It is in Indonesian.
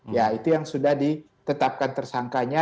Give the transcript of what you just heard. ya itu yang sudah ditetapkan tersangkanya